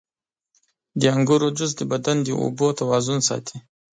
• د انګورو جوس د بدن د اوبو توازن ساتي.